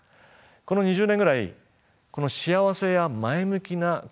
この２０年ぐらいこの幸せや前向きな心